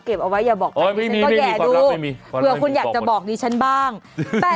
เก็บเอาไว้อย่าบอกแบบนี้ก็แย่ดูเผื่อคุณอยากจะบอกดีฉันบ้างความลับไม่มีความลับไม่มี